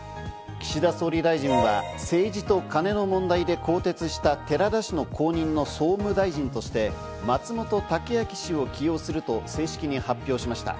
岸田総理大臣が政治とカネの問題で更迭した寺田氏の後任の総務大臣として、松本剛明氏を起用すると正式に発表しました。